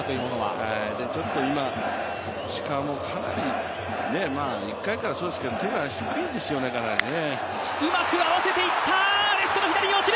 ちょっと今石川もかなり１回からそうですけど手が低いですよね、かなりね。